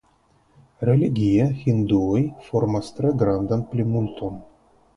Religie hinduoj formas tre grandan plimulton.